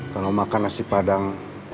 kalo makan nasi padang